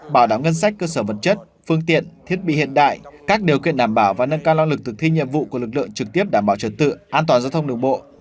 bảo đảm ngân sách cơ sở vật chất phương tiện thiết bị hiện đại các điều kiện đảm bảo và nâng cao năng lực thực thi nhiệm vụ của lực lượng trực tiếp đảm bảo trật tự an toàn giao thông đường bộ